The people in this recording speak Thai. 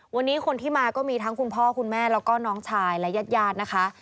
วันนี้คนที่มาก็มีทั้งคุณพ่อคุณแม่แล้วก็น้องชายและญาติญาตินะคะ